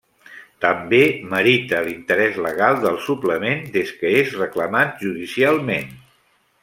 També merita l’interès legal del suplement des que és reclamat judicialment.